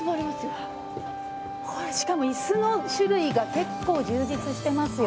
しかもイスの種類が結構充実してますよ